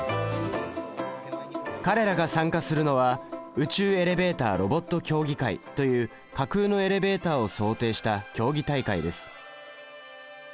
彼らが参加するのは宇宙エレベーターロボット競技会という架空のエレベーターを想定した競技大会です。